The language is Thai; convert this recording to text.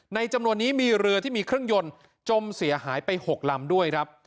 จำนวนนี้มีเรือที่มีเครื่องยนต์จมเสียหายไป๖ลำด้วยครับ